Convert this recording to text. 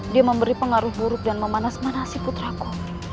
dia memberi pengaruh buruk dan memanas manasi putraku